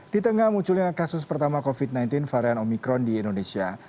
di tengah munculnya kasus pertama covid sembilan belas varian omikron di indonesia